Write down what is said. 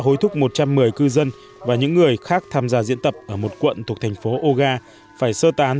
hối thúc một trăm một mươi cư dân và những người khác tham gia diễn tập ở một quận thuộc thành phố oga phải sơ tán